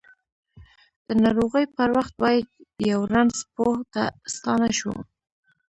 د ناروغۍ پر وخت باید یؤ رنځ پوه ته ستانه شوو!